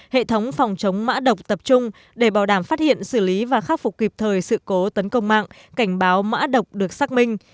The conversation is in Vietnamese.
hệ thống phòng chống mã độc tập trung để bảo đảm phát hiện xử lý và khắc phục kịp thời sự cố tấn công mạng cảnh báo mã độc được xác minh